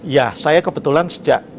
ya saya kebetulan sejak